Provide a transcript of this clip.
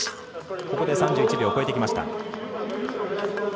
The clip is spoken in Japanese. ここで３１秒を超えてきました。